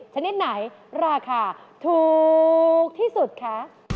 ชนิดไหนราคาถูกที่สุดคะ